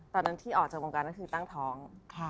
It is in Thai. ตอนนั้นที่ออกจากวงการนั่นคือตั้งท้อง